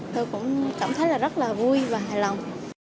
tôi cũng cảm thấy là rất là vui và hài lòng